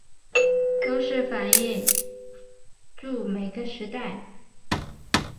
都是反映著每个时代